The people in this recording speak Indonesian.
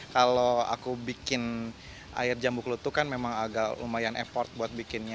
kalau aku bikin air jambu kelutuk kan memang agak lumayan effort buat bikinnya